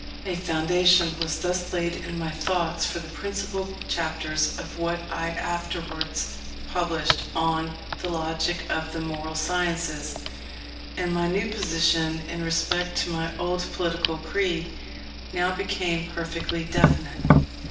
A foundation was thus laid in my thoughts for the principal chapters of what I afterwards published on the Logic of the Moral Sciences; and my new position in respect to my old political creed, now became perfectly definite.